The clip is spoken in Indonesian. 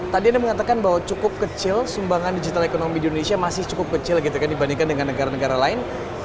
tadi anda mengatakan bahwa cukup kecil sumbangan digital ekonomi di indonesia masih cukup kecil gitu kan dibandingkan dengan negara negara lain